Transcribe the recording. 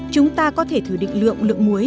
chúng ta có thể thử định lượng lượng muối